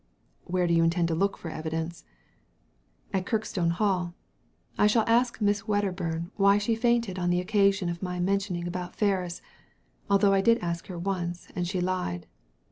" Where do you intend to look for evidence ?" "At Kirkstone Hall. I shall ask Miss Wedderburn why she fainted on the occasion of my mentioning about Ferris ; although I did ask her once, and she lied."